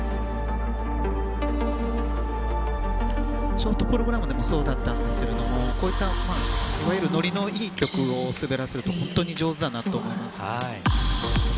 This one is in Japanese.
ショートプログラムでもそうだったんですがこういった、いわゆるノリのいい曲を滑らせると本当に上手だなと思います。